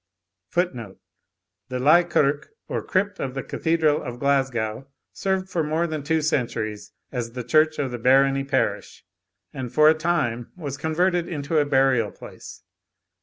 [The Laigh Kirk or Crypt of the Cathedral of Glasgow served for more * than two centuries as the church of the Barony Parish, and, for a time, was * converted into a burial place.